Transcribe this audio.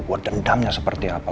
gue dendamnya seperti apa